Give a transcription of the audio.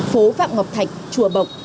phố phạm ngọc thạch chùa bộng